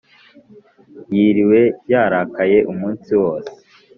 Yiriwe yarakaye umunsi wose